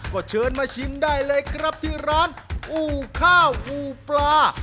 ก็เชิญมาชิมได้เลยครับที่ร้านอู่ข้าวอู่ปลา